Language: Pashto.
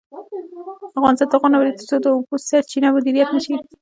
افغانستان تر هغو نه ابادیږي، ترڅو د اوبو سرچینې مدیریت نشي.